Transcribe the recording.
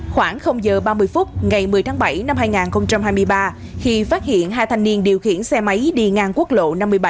khoảng giờ ba mươi phút ngày một mươi tháng bảy năm hai nghìn hai mươi ba khi phát hiện hai thanh niên điều khiển xe máy đi ngang quốc lộ năm mươi bảy